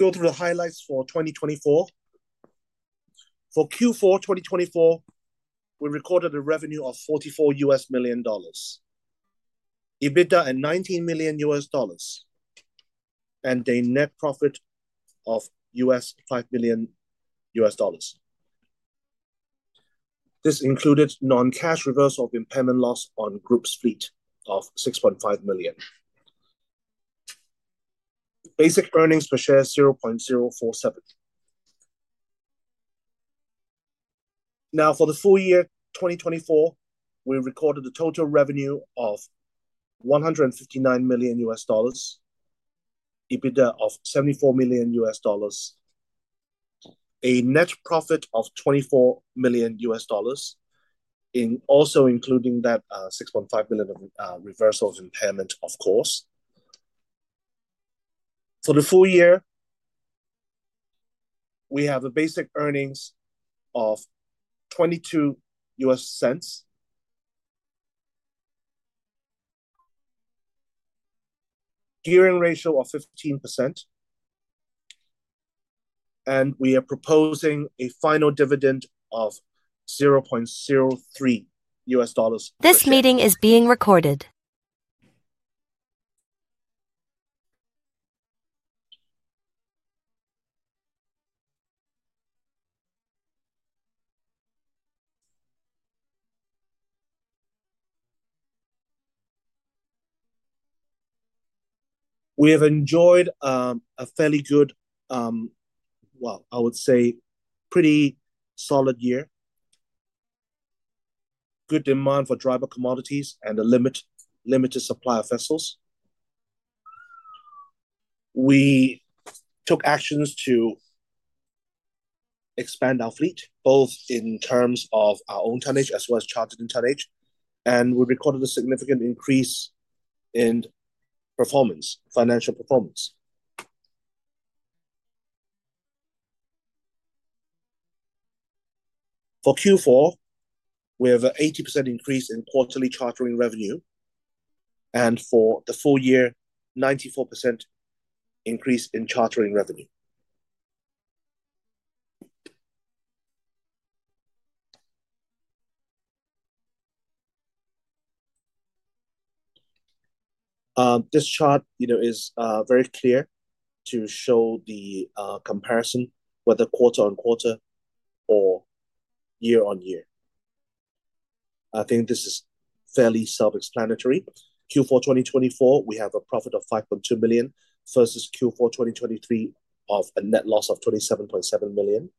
Go through the highlights for 2024. For Q4 2024, we recorded a revenue of $44 million, EBITDA at $19 million, and a net profit of $5 million. This included non-cash reversal of impairment loss on Group's fleet of $6.5 million. Basic earnings per share, $0.047. Now, for the full year 2024, we recorded a total revenue of $159 million, EBITDA of $74 million, a net profit of $24 million, also including that $6.5 million of reversal of impairment, of course. For the full year, we have a basic earnings of $0.22, gearing ratio of 15%, and we are proposing a final dividend of $0.03. This meeting is being recorded. We have enjoyed a fairly good, well, I would say, pretty solid year. Good demand for dry bulk commodities and a limited supply of vessels. We took actions to expand our fleet, both in terms of our own tonnage as well as chartered-in tonnage, and we recorded a significant increase in performance, financial performance. For Q4, we have an 80% increase in quarterly chartering revenue, and for the full year, a 94% increase in chartering revenue. This chart is very clear to show the comparison, whether quarter on quarter or year on year. I think this is fairly self-explanatory. Q4 2024, we have a profit of $5.2 million versus Q4 2023 of a net loss of $27.7 million.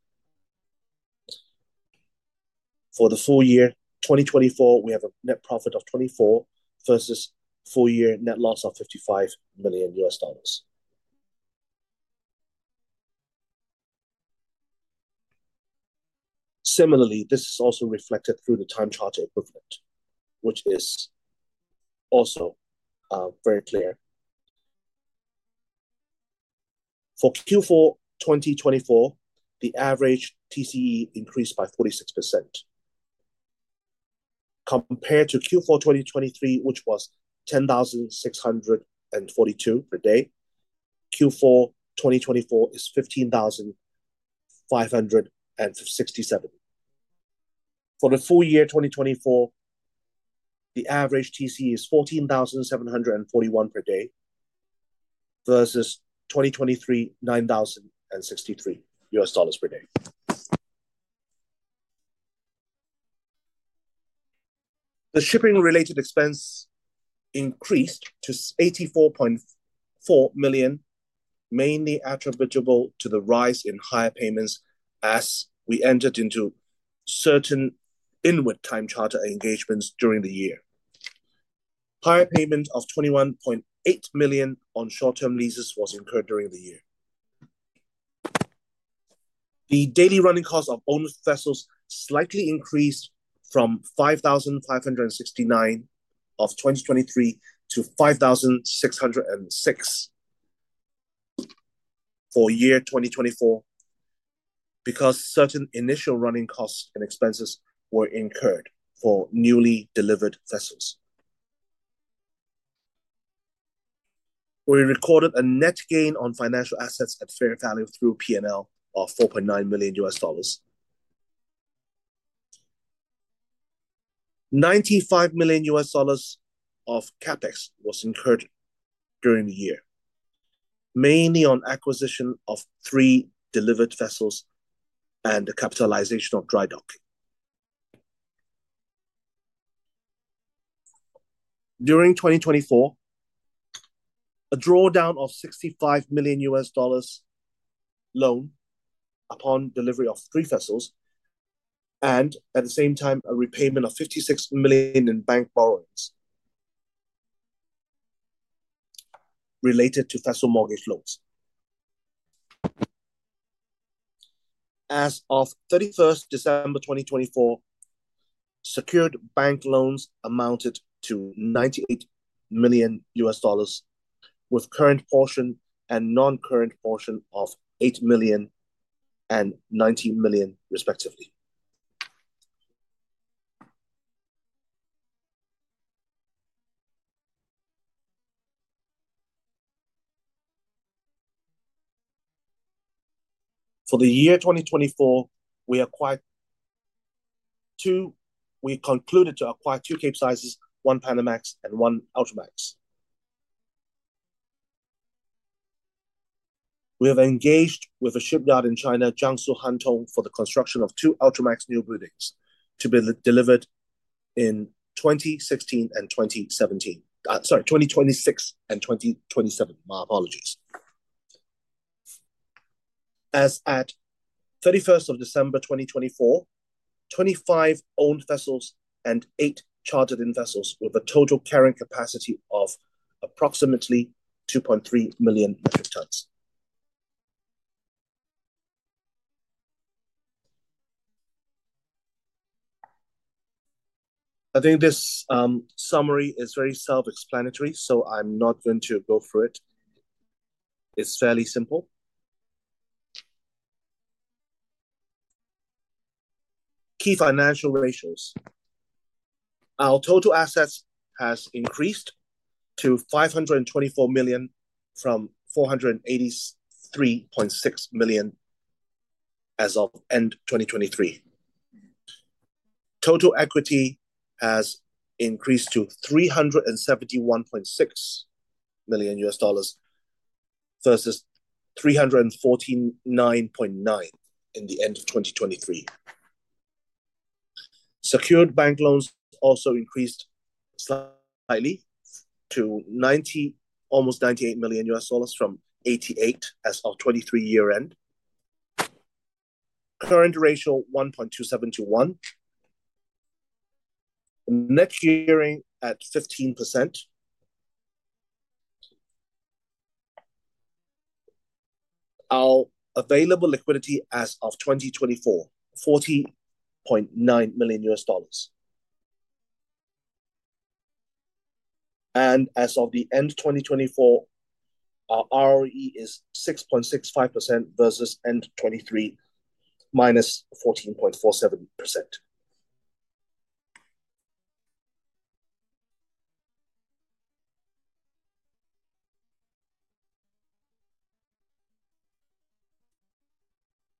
For the full year 2024, we have a net profit of $24 million versus full year net loss of $55 million. Similarly, this is also reflected through the time charter equivalent, which is also very clear. For Q4 2024, the average TCE increased by 46%. Compared to Q4 2023, which was $10,642 per day, Q4 2024 is $15,567. For the full year 2024, the average TCE is $14,741 per day versus 2023, $9,063 per day. The shipping-related expense increased to $84.4 million, mainly attributable to the rise in hire payments as we entered into certain inward time charter engagements during the year. Hire payment of $21.8 million on short-term leases was incurred during the year. The daily running cost of owned vessels slightly increased from $5,569 of 2023 to $5,606 for year 2024 because certain initial running costs and expenses were incurred for newly delivered vessels. We recorded a net gain on financial assets at fair value through P&L of $4.9 million. $95 million of CapEx was incurred during the year, mainly on acquisition of three delivered vessels and capitalization of dry docking. During 2024, a drawdown of $65 million loan upon delivery of three vessels, and at the same time, a repayment of $56 million in bank borrowings related to vessel mortgage loans. As of 31st December 2024, secured bank loans amounted to $98 million, with current portion and non-current portion of $8 million and $19 million, respectively. For the year 2024, we concluded to acquire two Capesizes, one Panamax and one Ultramax. We have engaged with a shipyard in China, Jiangsu Hantong, for the construction of two Ultramax newbuildings to be delivered in 2016 and 2017. Sorry, 2026 and 2027. My apologies. As at 31st of December 2024, 25 owned vessels and eight chartered-in vessels with a total carrying capacity of approximately 2.3 million metric tons. I think this summary is very self-explanatory, so I'm not going to go through it. It's fairly simple. Key financial ratios. Our total assets has increased to $524 million from $483.6 million as of end 2023. Total equity has increased to $371.6 million versus $349.9 million in the end of 2023. Secured bank loans also increased slightly to almost $98 million from $88 million at our 2023 year end. Current ratio, 1.27:1. Net gearing at 15%. Our available liquidity as of 2024, $40.9 million. As of the end 2024, our ROE is 6.65% versus end 2023 minus 14.47%.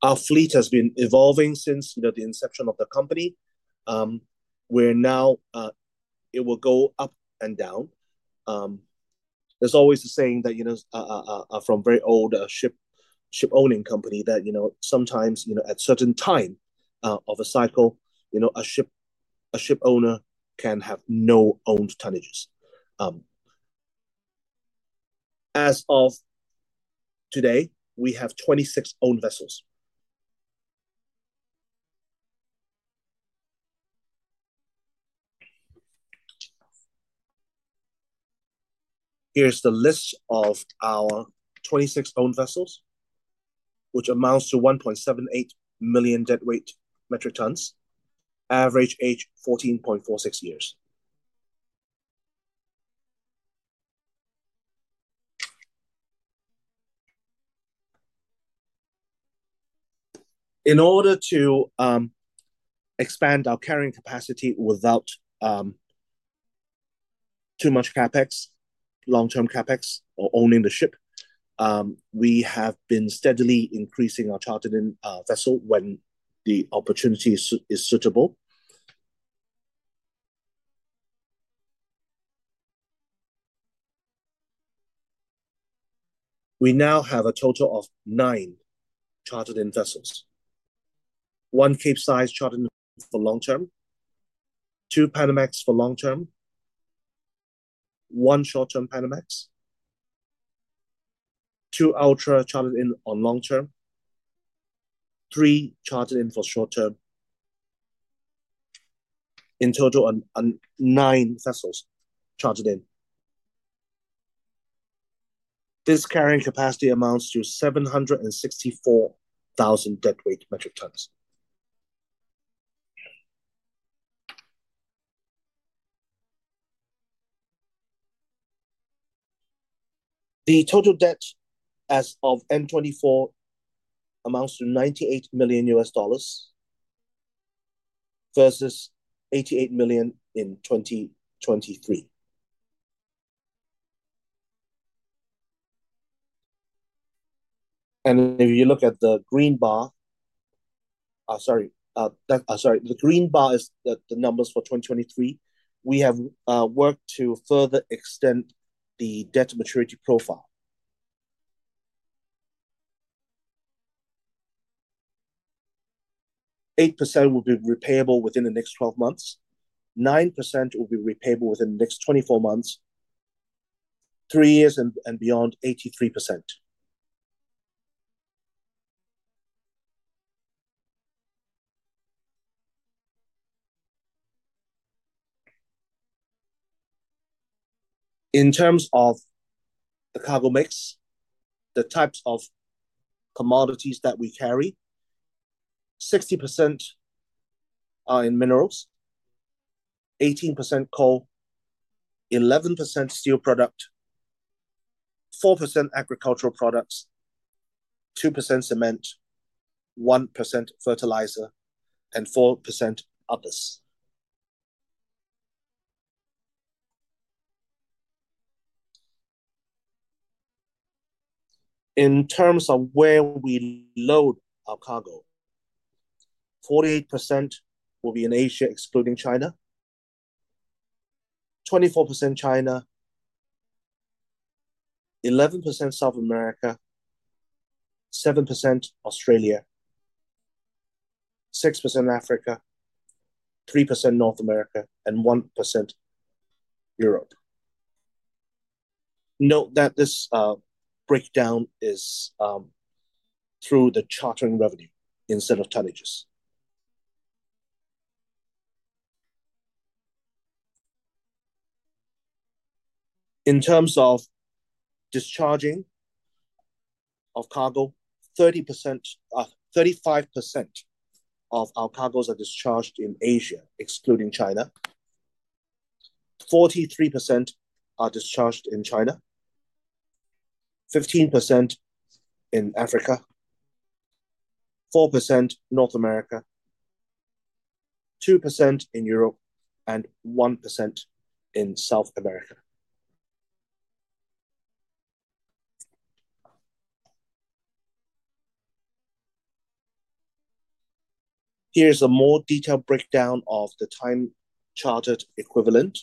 Our fleet has been evolving since the inception of the company. We're now. It will go up and down. There's always the saying that from very old ship-owning company that sometimes at certain time of a cycle, a ship owner can have no owned tonnages. As of today, we have 26 owned vessels. Here's the list of our 26 owned vessels, which amounts to 1.78 million deadweight metric tons, average age 14.46 years. In order to expand our carrying capacity without too much CapEx, long-term CapEx, or owning the ship, we have been steadily increasing our chartered-in vessel when the opportunity is suitable. We now have a total of nine chartered-in vessels, one Capesize chartered-in for long-term, two Panamax for long-term, one short-term Panamax, two Ultramax chartered-in on long-term, three chartered-in for short-term. In total, nine vessels chartered-in. This carrying capacity amounts to 764,000 deadweight metric tons. The total debt as of end 2024 amounts to $98 million versus $88 million in 2023. If you look at the green bar—sorry, the green bar is the numbers for 2023—we have worked to further extend the debt maturity profile. 8% will be repayable within the next 12 months. 9% will be repayable within the next 24 months. Three years and beyond, 83%. In terms of the cargo mix, the types of commodities that we carry: 60% are in minerals, 18% coal, 11% steel products, 4% agricultural products, 2% cement, 1% fertilizer, and 4% others. In terms of where we load our cargo, 48% will be in Asia, excluding China; 24% China, 11% South America, 7% Australia, 6% Africa, 3% North America, and 1% Europe. Note that this breakdown is through the chartering revenue instead of tonnages. In terms of discharging of cargo, 35% of our cargoes are discharged in Asia, excluding China. 43% are discharged in China, 15% in Africa, 4% North America, 2% in Europe, and 1% in South America. Here's a more detailed breakdown of the time charter equivalent.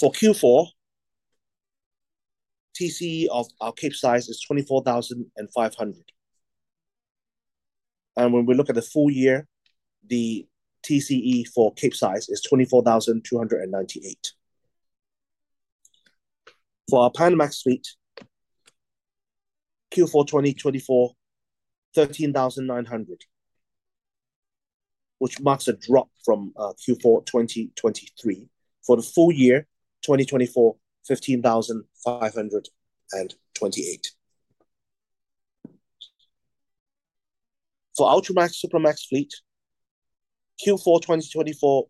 For Q4, TCE of our Capesize is $24,500. When we look at the full year, the TCE for Capesize is $24,298. For our Panamax fleet, Q4 2024, $13,900, which marks a drop from Q4 2023. For the full year 2024, $15,528. For Ultramax/Supramax fleet, Q4 2024,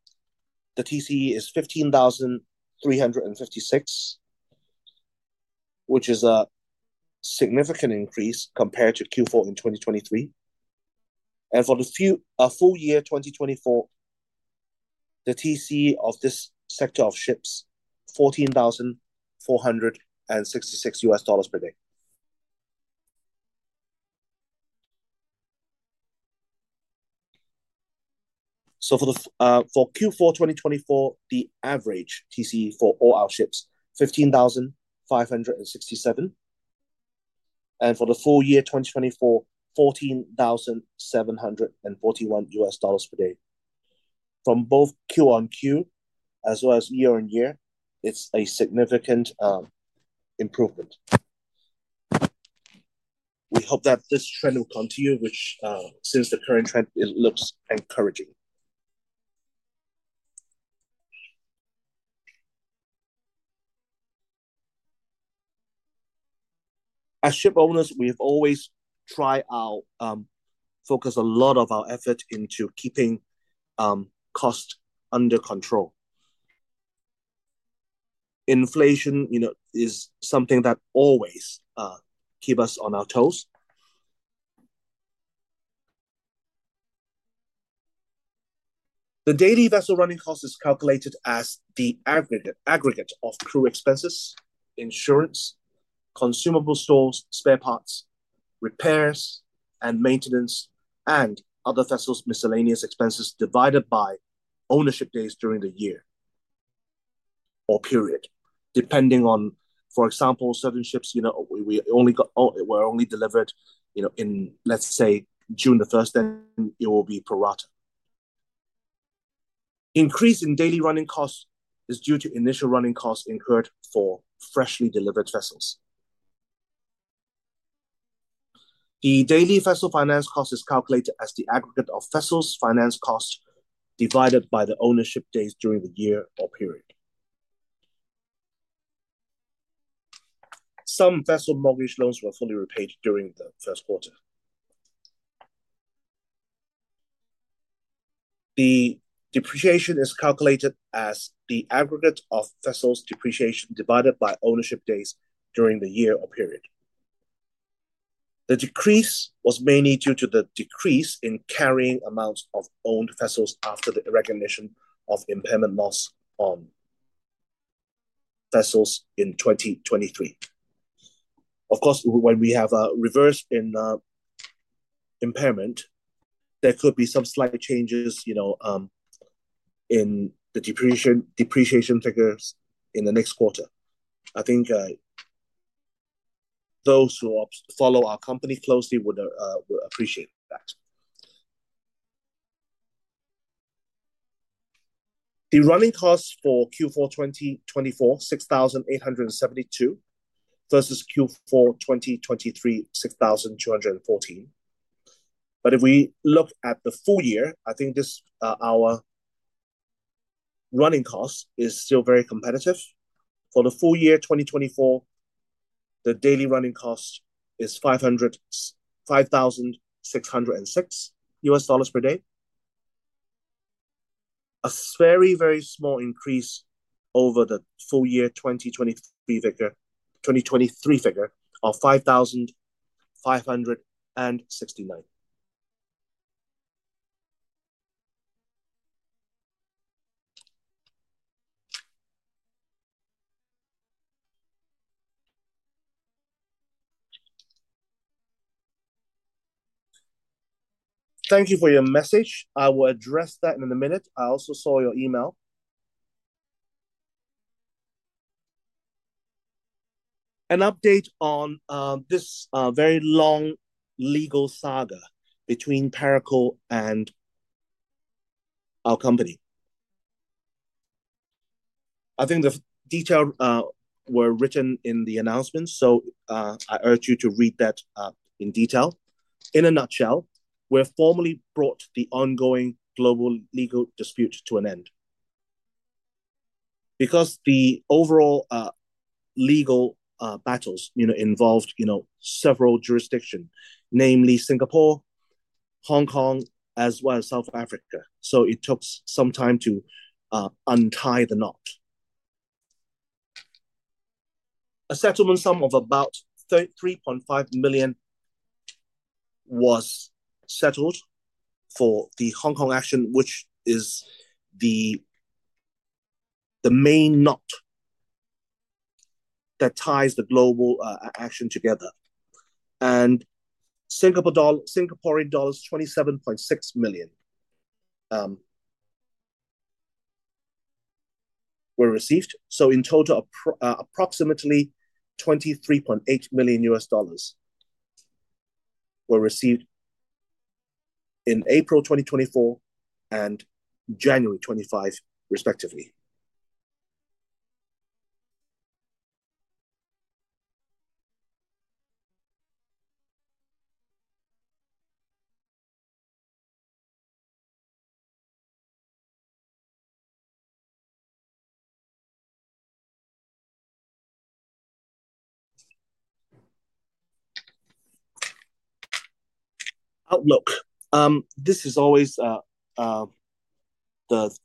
the TCE is $15,356, which is a significant increase compared to Q4 in 2023. For the full year 2024, the TCE of this sector of ships, $14,466 per day. For Q4 2024, the average TCE for all our ships, $15,567. For the full year 2024, $14,741 per day. From both Q-on-Q as well as year-on-year, it's a significant improvement. We hope that this trend will continue, which since the current trend, it looks encouraging. As ship owners, we have always tried our focus, a lot of our effort into keeping cost under control. Inflation is something that always keeps us on our toes. The daily vessel running cost is calculated as the aggregate of crew expenses, insurance, consumable stores, spare parts, repairs, and maintenance, and other vessels' miscellaneous expenses divided by ownership days during the year or period, depending on, for example, certain ships we were only delivered in, let's say, June the 1st, then it will be pro rata. Increase in daily running cost is due to initial running cost incurred for freshly delivered vessels. The daily vessel finance cost is calculated as the aggregate of vessels' finance cost divided by the ownership days during the year or period. Some vessel mortgage loans were fully repaid during the first quarter. The depreciation is calculated as the aggregate of vessels' depreciation divided by ownership days during the year or period. The decrease was mainly due to the decrease in carrying amounts of owned vessels after the recognition of impairment loss on vessels in 2023. Of course, when we have a reverse impairment, there could be some slight changes in the depreciation figures in the next quarter. I think those who follow our company closely will appreciate that. The running cost for Q4 2024, 6,872, versus Q4 2023, 6,214. If we look at the full year, I think our running cost is still very competitive. For the full year 2024, the daily running cost is $5,606 per day. A very, very small increase over the full year 2023 figure of $5,569. Thank you for your message. I will address that in a minute. I also saw your email. An update on this very long legal saga between Parakou and our company. I think the details were written in the announcement, so I urge you to read that in detail. In a nutshell, we have formally brought the ongoing global legal dispute to an end because the overall legal battles involved several jurisdictions, namely Singapore, Hong Kong, as well as South Africa. It took some time to untie the knot. A settlement sum of about $3.5 million was settled for the Hong Kong action, which is the main knot that ties the global action together. And SGD 27.6 million were received. In total, approximately $23.8 million were received in April 2024 and January 25, respectively. Outlook. This is always the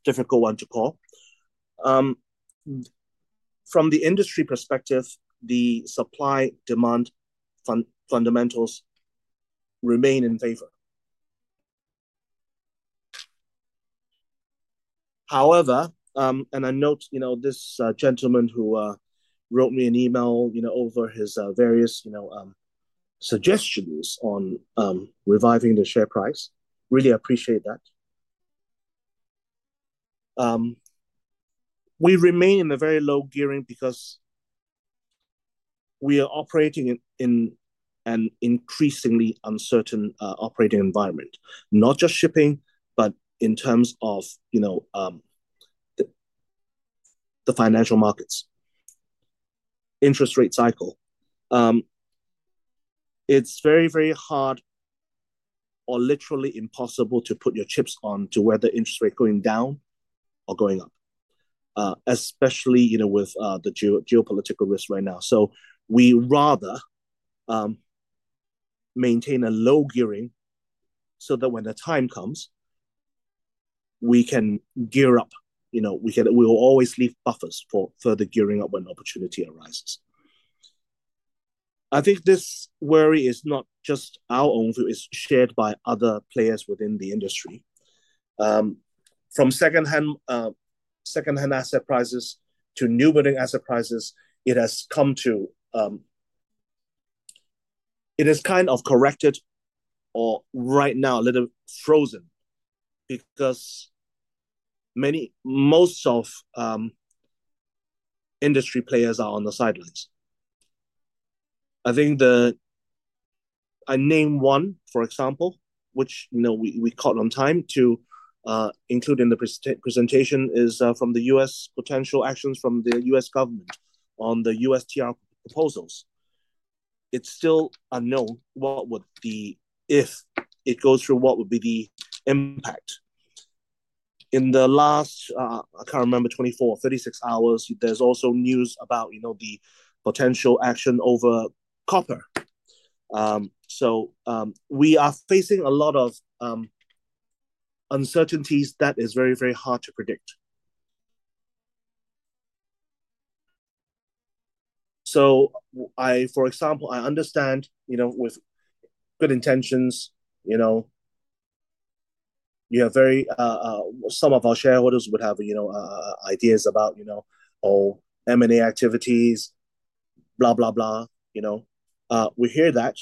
difficult one to call. From the industry perspective, the supply-demand fundamentals remain in favor. However, and I note this gentleman who wrote me an email over his various suggestions on reviving the share price, really appreciate that. We remain in a very low gearing because we are operating in an increasingly uncertain operating environment, not just shipping, but in terms of the financial markets, interest rate cycle. It's very, very hard or literally impossible to put your chips on to whether interest rates are going down or going up, especially with the geopolitical risk right now. We rather maintain a low gearing so that when the time comes, we can gear up. We will always leave buffers for further gearing up when an opportunity arises. I think this worry is not just our own view; it's shared by other players within the industry. From secondhand asset prices to newbuilding asset prices, it has kind of corrected or right now a little frozen because most of industry players are on the sidelines. I think the I name one, for example, which we caught on time to include in the presentation is from the U.S. potential actions from the U.S. government on the USTR proposals. It's still unknown what would be, if it goes through, what would be the impact. In the last, I can't remember, 24, 36 hours, there's also news about the potential action over copper. We are facing a lot of uncertainties. That is very, very hard to predict. For example, I understand with good intentions, some of our shareholders would have ideas about, "Oh, M&A activities, blah, blah, blah." We hear that.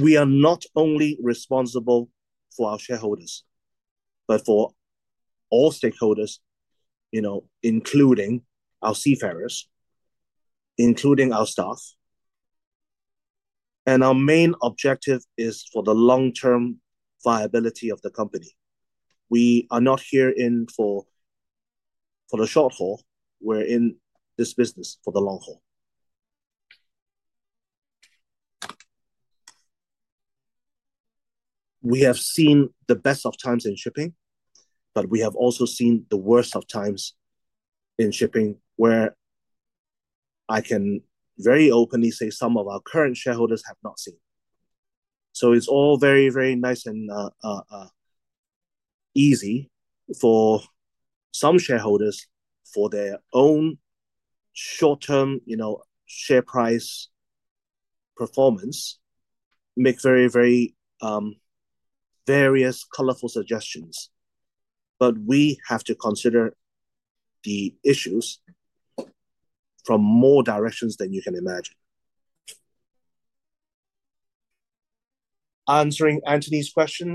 We are not only responsible for our shareholders, but for all stakeholders, including our seafarers, including our staff. Our main objective is for the long-term viability of the company. We are not here for the short haul. We're in this business for the long haul. We have seen the best of times in shipping, but we have also seen the worst of times in shipping where I can very openly say some of our current shareholders have not seen. It is all very, very nice and easy for some shareholders for their own short-term share price performance to make very, very various colorful suggestions. We have to consider the issues from more directions than you can imagine. Answering Anthony's question,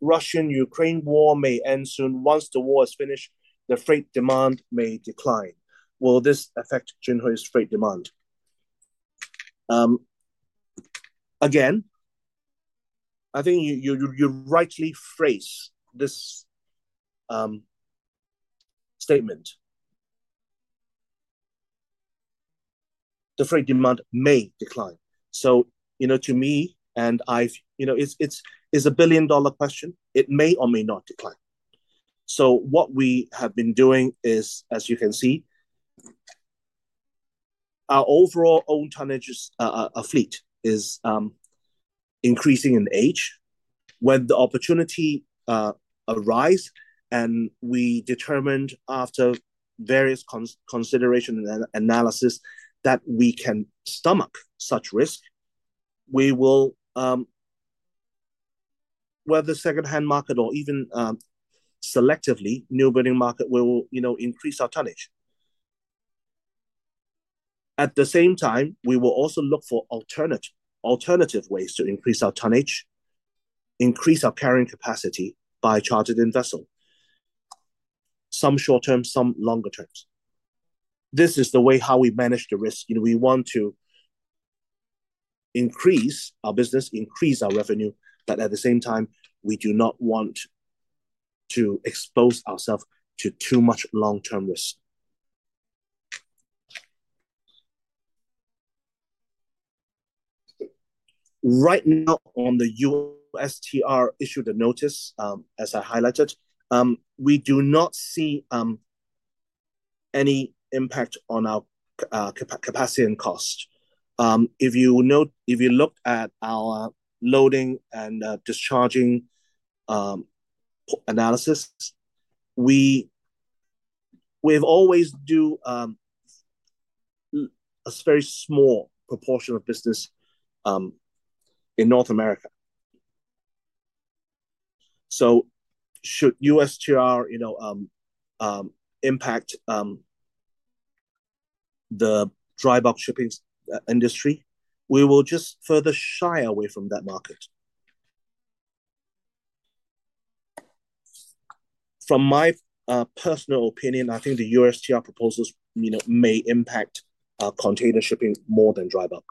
the Russian-Ukraine war may end soon. Once the war is finished, the freight demand may decline. Will this affect Jinhui's freight demand? Again, I think you rightly phrase this statement. The freight demand may decline. To me, and it's a billion-dollar question, it may or may not decline. What we have been doing is, as you can see, our overall old tonnage fleet is increasing in age. When the opportunity arises and we determined after various considerations and analysis that we can stomach such risk, we will, whether secondhand market or even selectively newbuilding market, increase our tonnage. At the same time, we will also look for alternative ways to increase our tonnage, increase our carrying capacity by chartered in vessel, some short-term, some longer-term. This is the way how we manage the risk. We want to increase our business, increase our revenue, but at the same time, we do not want to expose ourselves to too much long-term risk. Right now, on the USTR issued a notice, as I highlighted, we do not see any impact on our capacity and cost. If you look at our loading and discharging analysis, we've always done a very small proportion of business in North America. Should USTR impact the dry bulk shipping industry, we will just further shy away from that market. From my personal opinion, I think the USTR proposals may impact container shipping more than dry bulk.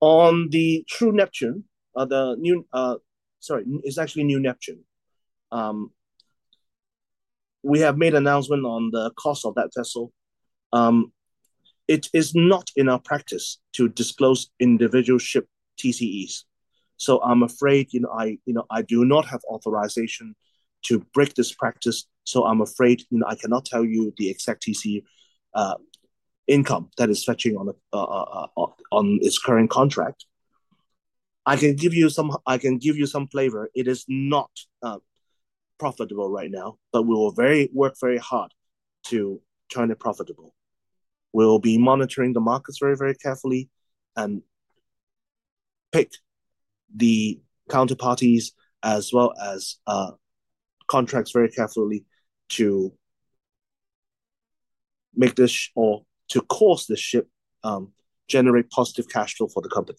On the True Neptune, sorry, it's actually New Neptune. We have made an announcement on the cost of that vessel. It is not in our practice to disclose individual ship TCEs. I'm afraid I do not have authorization to break this practice. I'm afraid I cannot tell you the exact TCE income that is fetching on its current contract. I can give you some flavor. It is not profitable right now, but we will work very hard to turn it profitable. We will be monitoring the markets very, very carefully and pick the counterparties as well as contracts very carefully to make this or to cause the ship to generate positive cash flow for the company.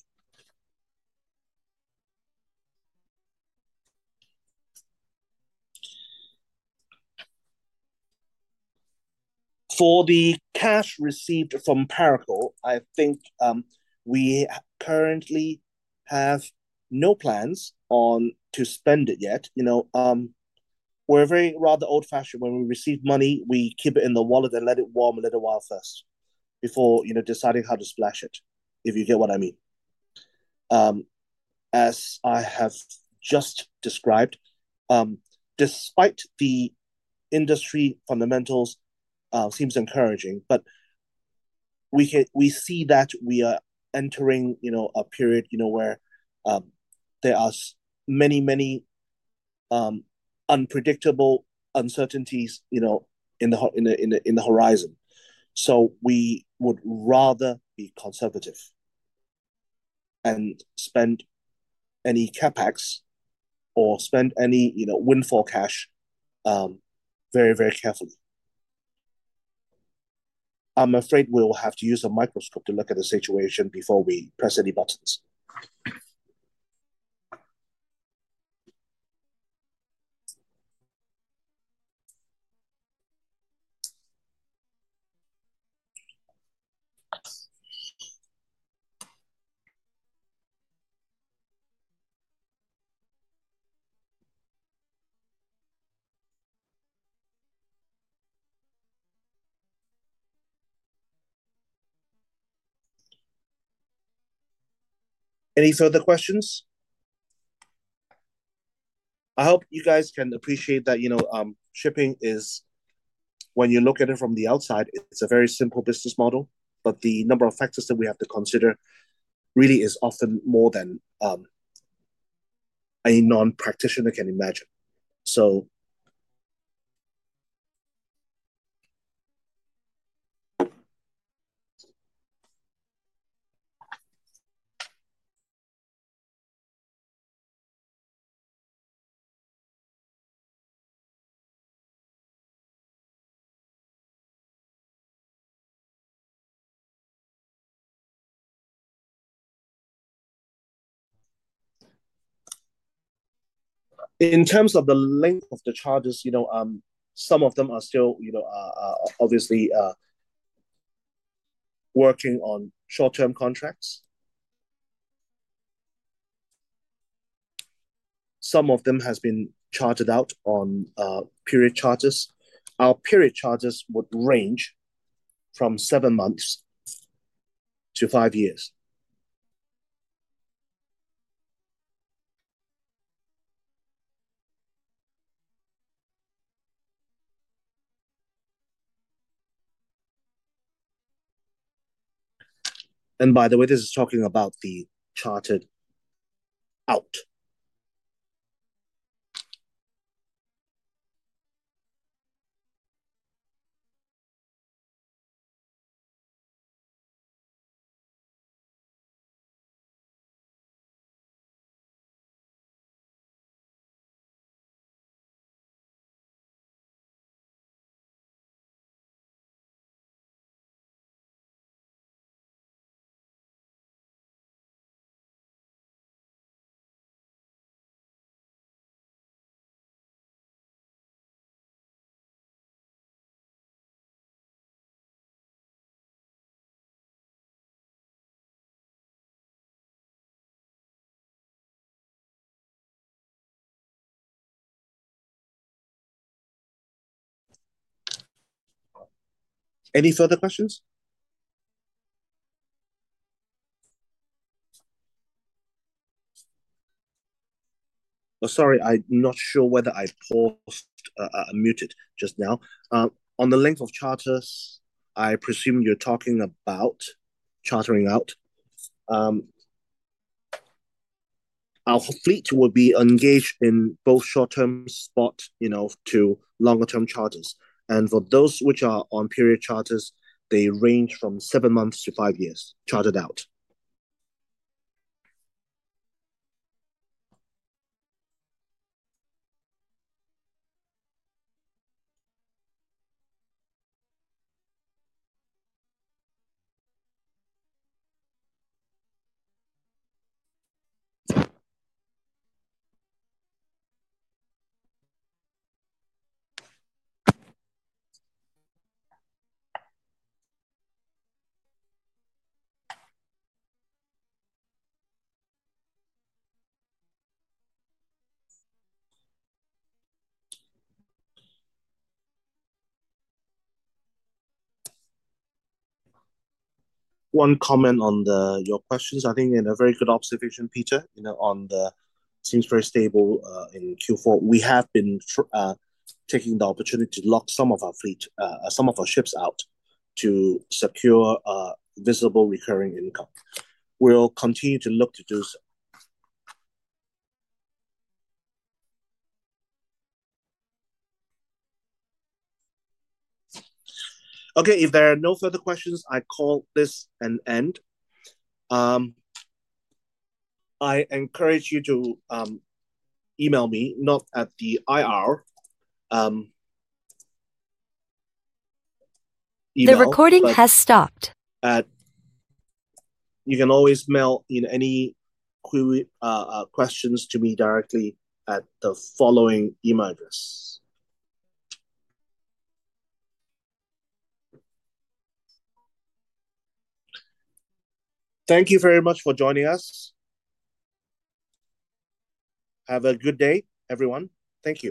For the cash received from Parakou, I think we currently have no plans to spend it yet. We're very rather old-fashioned. When we receive money, we keep it in the wallet and let it warm a little while first before deciding how to splash it, if you get what I mean. As I have just described, despite the industry fundamentals, it seems encouraging. We see that we are entering a period where there are many, many unpredictable uncertainties in the horizon. We would rather be conservative and spend any CapEx or spend any windfall cash very, very carefully. I'm afraid we will have to use a microscope to look at the situation before we press any buttons. Any further questions? I hope you guys can appreciate that shipping is, when you look at it from the outside, it's a very simple business model. The number of factors that we have to consider really is often more than a non-practitioner can imagine. In terms of the length of the charters, some of them are still obviously working on short-term contracts. Some of them have been chartered out on period charters. Our period charters would range from seven months to five years. By the way, this is talking about the chartered out. Any further questions? Sorry, I'm not sure whether I paused or muted just now. On the length of charters, I presume you're talking about chartering out. Our fleet will be engaged in both short-term spot to longer-term charters. For those which are on period charters, they range from seven months to five years chartered out. One comment on your questions. I think a very good observation, Peter, on the seems very stable in Q4. We have been taking the opportunity to lock some of our fleet, some of our ships out to secure visible recurring income. We'll continue to look to do so. Okay. If there are no further questions, I call this an end. I encourage you to email me, not at the IR. The recording has stopped. You can always mail any questions to me directly at the following email address. Thank you very much for joining us. Have a good day, everyone. Thank you.